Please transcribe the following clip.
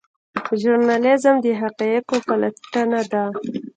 ژورنالیزم د حقایقو پلټنه ده